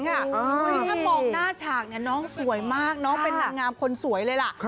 ถ้ามองหน้าฉากน้องสวยมากน้องเป็นนางงามคนสวยเลยล่ะ